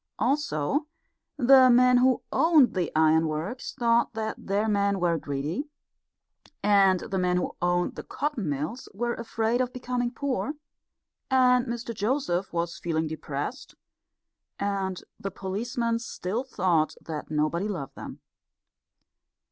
Also, the men who owned the ironworks thought that their men were greedy; and the men who owned the cotton mills were afraid of becoming poor; and Mr Joseph was feeling depressed; and the policemen still thought that nobody loved them.